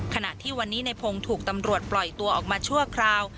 ขณะที่วันนี้ในพงศ์ถูกตำรวจปล่อยตัวออกมาชั่วคราว